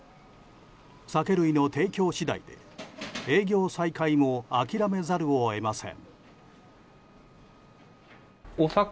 酒類の提供次第で営業再開も諦めざるを得ません。